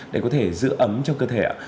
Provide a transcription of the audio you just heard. để có thể giữ ấm cho cơ thể